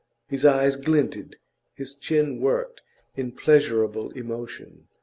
His eyes glinted, his chin worked in pleasurable emotion.